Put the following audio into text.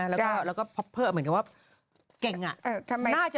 แล้วก็เป็นถึงกลัวเเหล่ะ